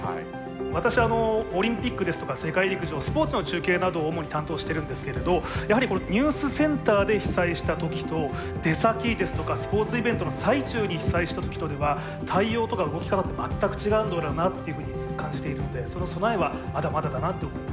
私オリンピックですとか世界陸上スポーツの中継などを主に担当してるんですけれどやはりニュースセンターで被災した時と出先ですとかスポーツイベントの最中に被災した時とでは対応とか動き方って全く違うんだろうなっていうふうに感じているのでその備えはまだまだだなと思います。